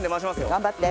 頑張って。